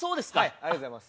ありがとうございます。